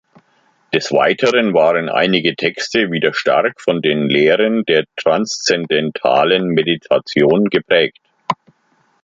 Des Weiteren waren einige Texte wieder stark von den Lehren der Transzendentalen Meditation geprägt.